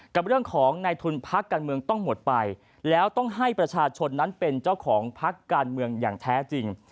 กับเรื่องของในทุนพักการเมืองต้องหมดไปแล้วต้องให้ประชาชนนั้นเป็นเจ้าของพักการเมืองอย่างแท้จริง